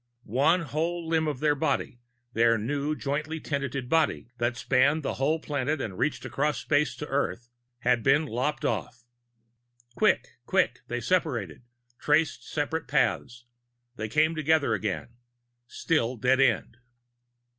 One whole limb of their body their new, jointly tenanted body, that spanned a whole planet and reached across space to Earth had been lopped off. Quick, quick, they separated, traced separate paths. They came together again: Still dead end.